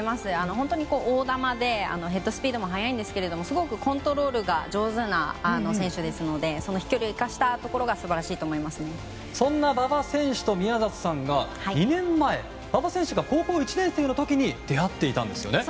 本当に大玉でヘッドスピードも速いんですけれどもすごくコントロールが上手な選手ですのでその飛距離を生かしたところがそんな馬場選手と宮里さんが２年前、馬場選手が高校１年生の時に出会っていたんですよね。